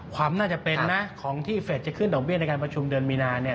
ความน่าจะเป็นนะของที่เฟสจะขึ้นดอกเบี้ยในการประชุมเดือนมีนาเนี่ย